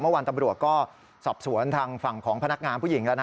วันตำรวจก็สอบสวนทางฝั่งของพนักงานผู้หญิงแล้วนะ